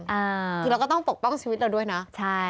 คือเราก็ต้องปกป้องชีวิตเราด้วยนะใช่